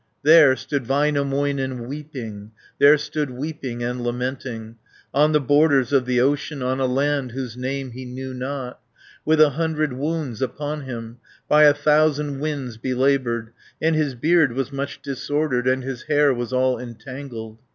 There stood Väinämöinen weeping, There stood weeping and lamenting, On the borders of the ocean, On a land whose name he knew not, 120 With a hundred wounds upon him, By a thousand winds belaboured, And his beard was much disordered, And his hair was all entangled.